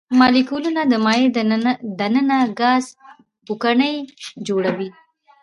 مالیکولونه د مایع د ننه ګاز پوکڼۍ جوړوي.